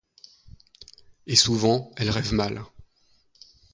Et souvent elle rêve mal.